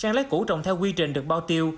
sen lấy củ trồng theo quy trình được bao tiêu